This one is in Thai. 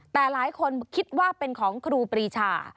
แต่หลายคนคิดว่าเป็นของครูปรีชา